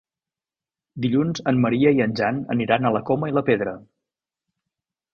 Dilluns en Maria i en Jan aniran a la Coma i la Pedra.